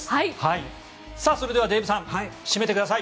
それではデーブさん締めてください。